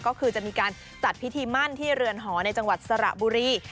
ก็คือจะมีการจัดพิธีมั่นที่เรือนหอในจังหวัดสระบุรี